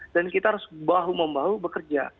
dan kita harus bahu membahu bekerja